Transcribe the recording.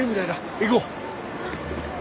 行こう。